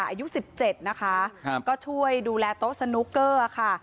อายุ๑๗นะคะก็ช่วยดูแลโต๊ะสนุกเกอร์ค่ะ